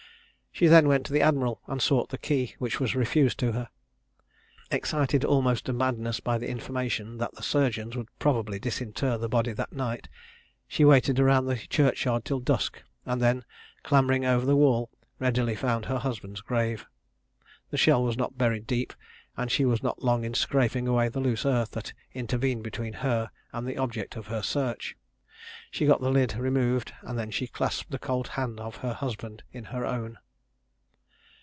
She then went to the admiral and sought the key, which was refused to her. Excited almost to madness by the information that the surgeons would probably disinter the body that night, she waited around the churchyard till dusk, and then, clambering over the wall, readily found her husband's grave. The shell was not buried deep, and she was not long in scraping away the loose earth that intervened between her and the object of her search. She got the lid removed, and then she clasped the cold hand of her husband in her own!